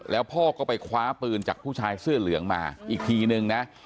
แล้วพ่อก็ไปคว้าปืนจากผู้ชายเสื้อเหลืองมาอีกทีนึงนะ